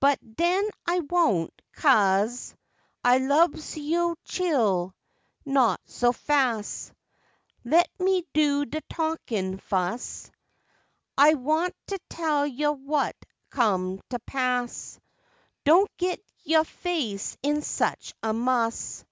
But den I wont, kase I lubs yo' chile; not so fas', Let me do de talkin' fus', I want t' tell yo' what'll come t'pass, (Don't git yo' face in sech a muss.)